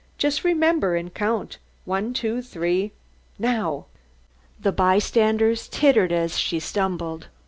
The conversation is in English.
"Just remember and count. One, two, three now!" The bystanders tittered as she stumbled.